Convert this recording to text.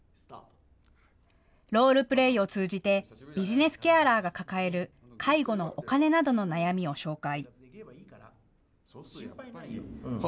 ロールプレイを通じてビジネスケアラーが抱える介護のお金などの悩みを紹介。